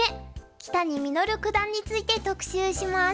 木谷實九段について特集します。